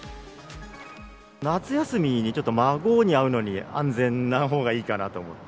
夏休みにちょっと孫に会うのに、安全なほうがいいかなと思って。